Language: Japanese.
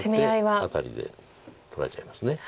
ここでアタリで取られちゃいます。